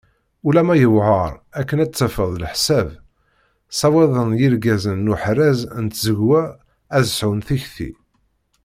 Ulama yewɛer akken ad tafeḍ leḥsab, ssawaḍen yirgazen n uḥraz n tẓegwa ad sɛun tikti.